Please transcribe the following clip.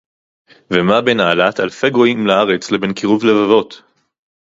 ומה בין העלאת אלפי גויים לארץ לבין קירוב לבבות